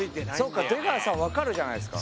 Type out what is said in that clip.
そうか出川さん分かるじゃないですか。